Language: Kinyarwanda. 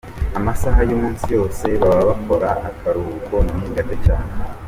Amasaha y’umunsi yose baba bakora, akaruhuko ni gato cyane.